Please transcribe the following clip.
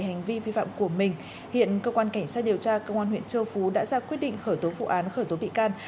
về hành vi vi phạm của mình hiện cơ quan cảnh sát điều tra công an huyện châu phú đã ra quyết định khởi tố vụ án khởi tố bị can